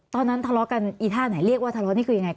ตอนนั้นทะเลาะกันอีท่าไหนเรียกว่าทะเลาะนี่คือยังไง